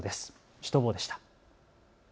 シュトボーでした。